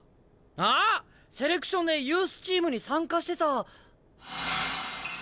セレクションでユースチームに参加してた。